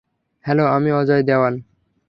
Hello, আমি অজয় দেওয়ান।